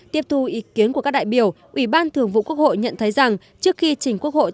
tiếp thu ý kiến của các đại biểu ủy ban thường vụ quốc hội nhận thấy rằng trước khi trình quốc hội